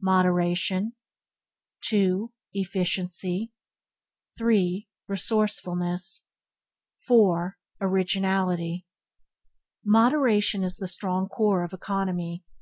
Moderation 2. Efficiency 3. Resourcefulness 4. Originality Moderation is the strong core of economy.